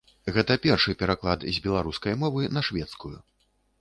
Гэта першы пераклад з беларускай мовы на шведскую.